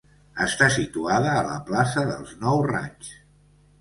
Està situada a la plaça dels Nou Raigs.